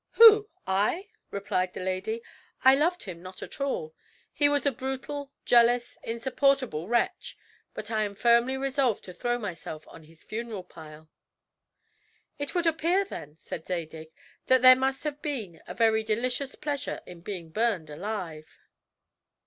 "Who, I?" replied the lady. "I loved him not at all. He was a brutal, jealous, insupportable wretch; but I am firmly resolved to throw myself on his funeral pile." "It would appear then," said Zadig, "that there must be a very delicious pleasure in being burned alive."